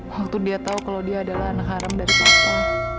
waktu dia tahu kalau dia adalah anak haram dari papa